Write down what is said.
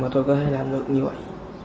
mà tôi có thể làm được như vậy